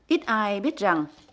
ít ai biết rằng